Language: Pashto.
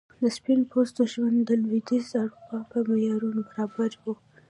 د سپین پوستو ژوند د لوېدیځي اروپا په معیارونو برابر و.